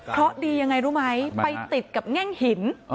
เพราะดียังไงรู้ไหมไปติดกับแง่งหิน